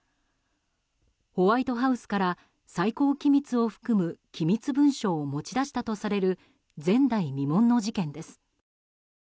ホワイトハウスから最高機密を含む機密文書を持ち出したとされる前代未聞の事件です。